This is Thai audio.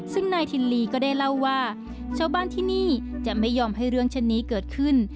ซึ่งนายทินลีก็ได้เล่าว่าชาวบ้านที่นี่จะไม่ยอมให้เรื่องเช่นนี้เกิดขึ้น